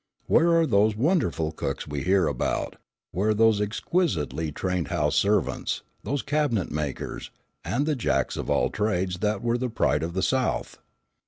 Where are those wonderful cooks we hear about, where those exquisitely trained house servants, those cabinet makers, and the jacks of all trades that were the pride of the South?"